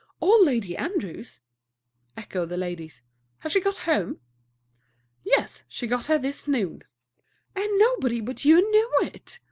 "Old Lady Andrews?" echoed the ladies. "Has she got home?" "Yes; she got here this noon." "And nobody but you knew it!"